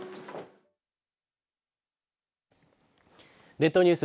列島ニュース